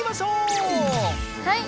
はい！